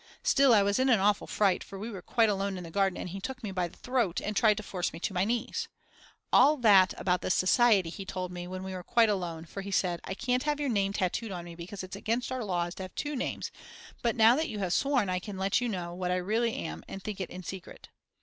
Still, I was in an awful fright, for we were quite alone in the garden and he took me by the throat and tried to force me to my knees. All that about the society he told me when we were quite alone for he said: I can't have your name tattooed on me because it's against our laws to have two names but now that you have sworn I can let you know what I really am and think in secret.